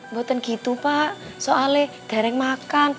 mboten gitu pak soalnya dareng makan